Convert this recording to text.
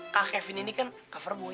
kak kevin ini kan cover boy